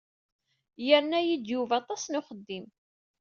Yerna-yi-d Yuba aṭas n uxeddim.